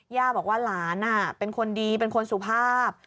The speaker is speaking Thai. ย่าบอกว่าหลานเป็นคนดีเป็นคนสุภาพ